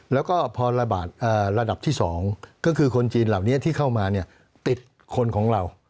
แล้วก็พอระบาดระดับที่๒ก็คือคนจีนเหล่านี้ที่เข้ามาติดคนของเรา